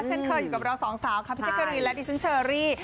เช่นเคยอยู่กับเราสองสาวครับพี่เจ๊กรีและอีเซ็นเชอรี่